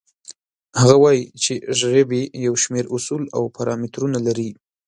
هغه وایي چې ژبې یو شمېر اصول او پارامترونه لري.